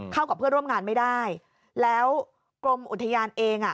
เข้ากับเพื่อนร่วมงานไม่ได้แล้วกรมอุทยานเองอ่ะ